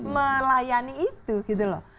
melayani itu gitu loh